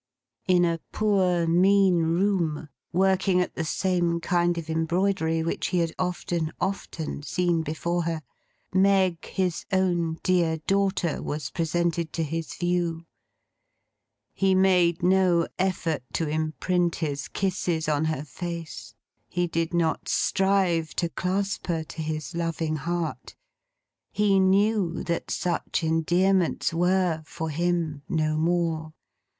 In a poor, mean room; working at the same kind of embroidery which he had often, often seen before her; Meg, his own dear daughter, was presented to his view. He made no effort to imprint his kisses on her face; he did not strive to clasp her to his loving heart; he knew that such endearments were, for him, no more.